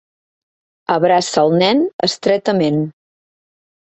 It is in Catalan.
Abraça el nen estretament.